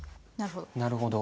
なるほど。